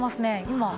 今。